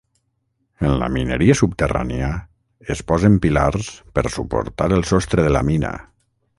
En la mineria subterrània es posen pilars per suportar el sostre de la mina.